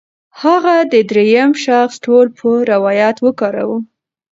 هغې د درېیم شخص ټولپوه روایت وکاراوه.